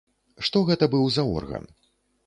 Што гэта быў за орган?